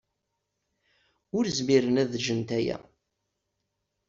Ur zmiren ad gent aya.